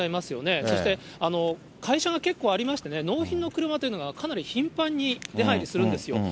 そして、会社が結構ありましてね、納品の車というのが、かなり頻繁に出入りするんですよ。